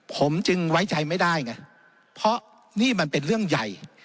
ผมจึงไว้ใจไม่ได้ไงเพราะนี่มันเป็นเรื่องใหญ่